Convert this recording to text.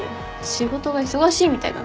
仕事が忙しいみたいだね。